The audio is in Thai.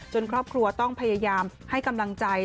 ครอบครัวต้องพยายามให้กำลังใจ